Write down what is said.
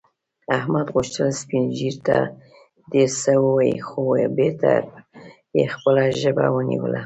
احمد غوښتل سپین ږیرو ته ډېر څه ووايي، خو بېرته یې خپله ژبه ونیوله.